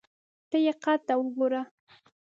ته یې قد ته وګوره !